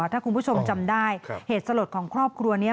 ถ้าคุณผู้ชมจำได้เหตุสลดของครอบครัวนี้